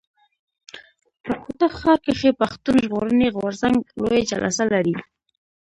په کوټه ښار کښي پښتون ژغورني غورځنګ لويه جلسه لري.